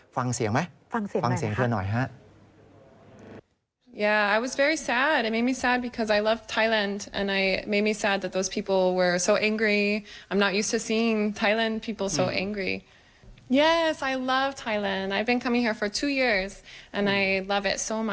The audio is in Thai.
ฟังเสียงไหมฟังเสียงเพื่อนหน่อยครับ